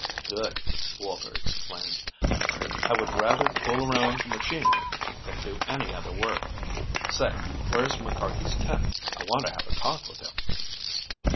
"Good," Walter exclaimed. "I would rather fool around machinery than do any other work. Say, where's McCarty's tent? I want to have a talk with him."